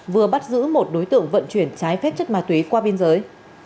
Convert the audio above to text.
vừa bắt giữ một đối tượng vận chuyển trái phép chất ma túy qua biên giới